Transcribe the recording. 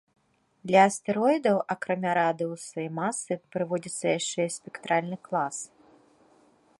Для астэроідаў акрамя радыуса і масы прыводзіцца яшчэ і спектральны клас.